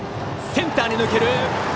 センターに抜ける。